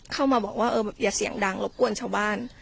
เข้ามาบอกว่าเอออย่าเสียงดังรบกวนชาวบ้าน